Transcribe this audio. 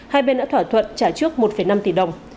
hai bên đã thỏa thuận trả trước một năm tỷ đồng